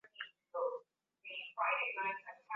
mimi nafanya kazi ya kusuka